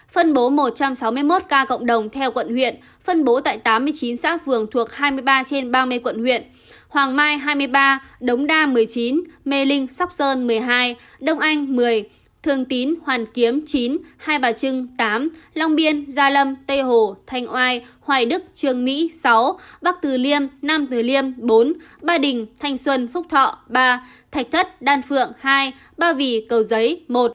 phân bố một trăm sáu mươi một ca cộng đồng theo quận huyện phân bố tại tám mươi chín xã phường thuộc hai mươi ba trên ba mươi quận huyện hoàng mai hai mươi ba đống đa một mươi chín mê linh sóc sơn một mươi hai đồng anh một mươi thường tín hoàn kiếm chín hai bà trưng tám long biên gia lâm tây hồ thanh oai hoài đức trương mỹ sáu bắc tử liêm nam tử liêm bốn ba đình thanh xuân phúc thọ ba thạch thất đan phượng hai ba vị cầu giấy một